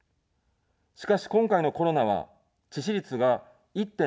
しかし、今回のコロナは致死率が１．０％です。